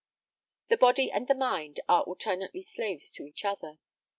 The body and the mind are alternately slaves to each other.